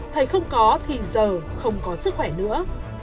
thầy không có thì giờ không có sức khỏe nữa